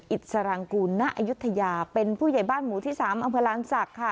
อิสรางกูลณอายุทยาเป็นผู้ใหญ่บ้านหมู่ที่๓อำเภอลานศักดิ์ค่ะ